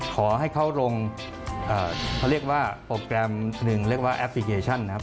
ขอให้เขาลงเขาเรียกว่าโปรแกรมหนึ่งเรียกว่าแอปพลิเคชันนะครับ